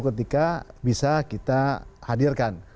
ketika bisa kita hadirkan